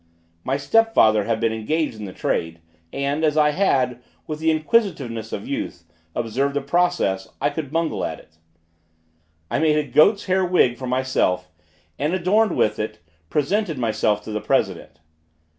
My step father had been engaged in the trade, and as I had, with the inquisitiveness of youth, observed the process, I could bungle at it. I made a goat's hair wig for myself, and adorned with it, presented myself to the president.